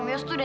dua buah tudo